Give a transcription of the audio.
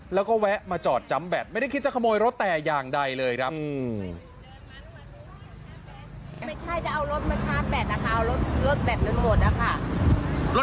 แล้วก็แวะมาจอดจำแบตไม่ได้คิดจะขโมยรถแต่อย่างใดเลยครับ